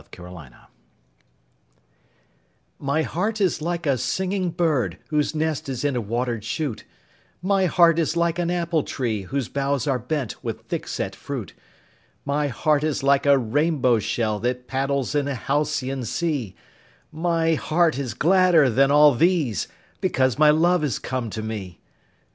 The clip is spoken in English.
A Birthday MY heart is like a singing bird Whose nest is in a water'd shoot; My heart is like an apple tree Whose boughs are bent with thick set fruit; My heart is like a rainbow shell 5 That paddles in a halcyon sea; My heart is gladder than all these, Because my love is come to me.